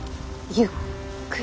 ゆっくり。